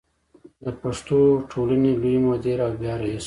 د پښتو ټولنې لوی مدیر او بیا رئیس و.